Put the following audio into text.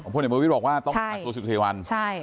พลเอกประวิทย์บอกว่าต้องกักตัว๑๔วัน